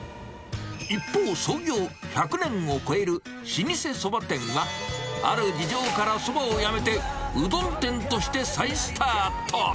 一方、創業１００年を超える老舗そば店は、ある事情からそばをやめて、うどん店として再スタート。